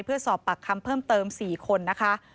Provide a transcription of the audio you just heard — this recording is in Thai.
เพื่อสอบปากคำเพิ่มเติม๔คนนะคะ